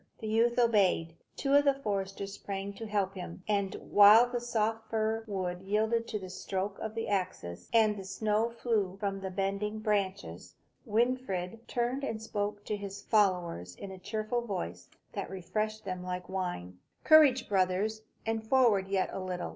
The youth obeyed; two of the foresters sprang to help him; and while the soft fir wood yielded to the stroke of the axes, and the snow flew from the bending branches, Winfried turned and spoke to his followers in a cheerful voice, that refreshed them like wine. "Courage, brothers, and forward yet a little!